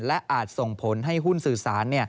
และอาจส่งผลให้หุ้นสื่อสาร